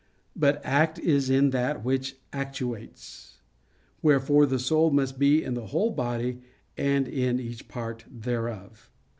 But act is in that which it actuates: wherefore the soul must be in the whole body, and in each part thereof.